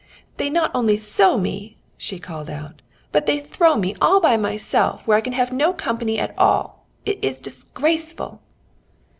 "They not only sow me," she called out, "but they throw me all by myself, where I can have no company at all. It is disgraceful."